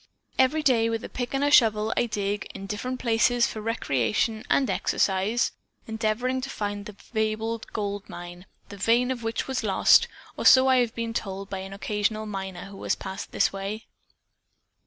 Every day with a pick and shovel I dig in different places for recreation and exercise, endeavoring to find the fabled gold mine, the vein of which was lost, or so I have been told by an occasional miner who has passed this way.